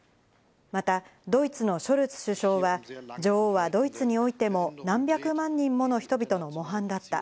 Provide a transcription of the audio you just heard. またドイツのショルツ首相は女王はドイツにおいても何百万人もの人々の模範だった。